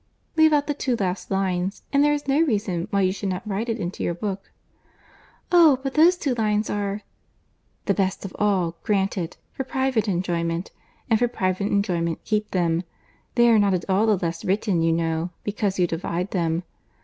"Leave out the two last lines, and there is no reason why you should not write it into your book." "Oh! but those two lines are"— —"The best of all. Granted;—for private enjoyment; and for private enjoyment keep them. They are not at all the less written you know, because you divide them.